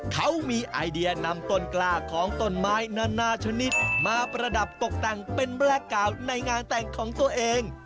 เขามีไอเดียนำต้นกล้าของต้นไม้นานาชนิดมาประดับตกแต่งเป็นแลกกาวในงานแต่งของตัวเอง